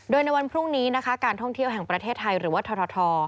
โดยในวันพรุ่งนี้นะคะการท่องเที่ยวแห่งประเทศไทยหรือว่าทท